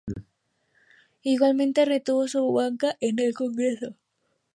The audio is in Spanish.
Igualmente, retuvo su banca en el Congreso.